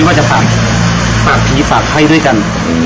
เธอไม่สามารถบอกผมจะฝากให้ด้วยกัน